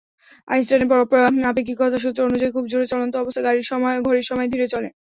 আইনস্টাইনের আপেক্ষিকতার সূত্র অনুযায়ী খুব জোরে চলন্ত অবস্থায় ঘড়ির সময় ধীরে চলে।